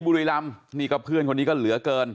บุรีรำนี่ก็เพื่อนคนนี้ก็เหลือเกิน